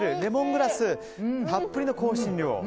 グラスたっぷりの香辛料。